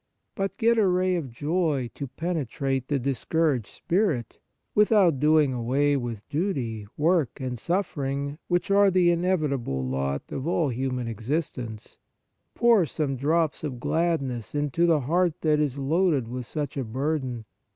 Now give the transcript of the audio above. But get a ray of joy to penetrate the discouraged spirit; without doing away with duty, work and suffering, which are the inevitable lot of all human existence, pour some drops of glad ness into the heart that is loaded with such a burden.